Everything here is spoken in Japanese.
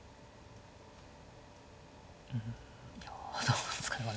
いやどうなんですかね。